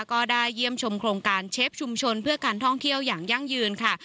ก็ได้เยี่ยมชมโครงการเชฟชุมชนเพื่อการท่องเที่ยวอย่างยั่งยืนค่ะ